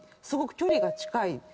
すごく距離が近い。